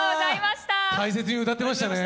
大切に歌ってましたね。